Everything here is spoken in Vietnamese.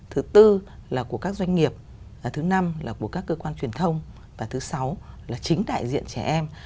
thứ tư là của các doanh nghiệp thứ năm là của các cơ quan truyền thông và thứ sáu là chính đại diện trẻ em